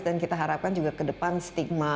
dan kita harapkan juga ke depan stigma